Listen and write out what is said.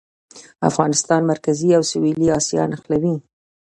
افغانستان مرکزي او سویلي اسیا نښلوي